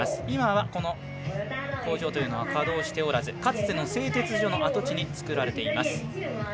今は、工場というのは稼働しておらずかつての製鉄所の跡地に作られています。